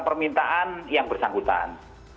permintaan yang bersangkutan